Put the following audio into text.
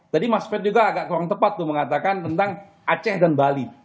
tadi mas ferd juga agak kurang tepat tuh mengatakan tentang aceh dan bali